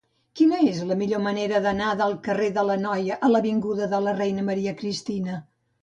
Quina és la millor manera d'anar del carrer de l'Anoia a l'avinguda de la Reina Maria Cristina?